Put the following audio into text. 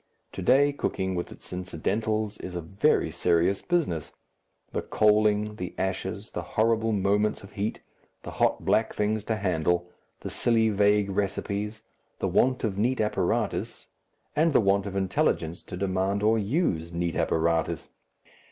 To day cooking, with its incidentals, is a very serious business; the coaling, the ashes, the horrible moments of heat, the hot black things to handle, the silly vague recipes, the want of neat apparatus, and the want of intelligence to demand or use neat apparatus.